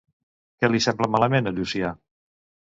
Què li sembla malament a Llucià?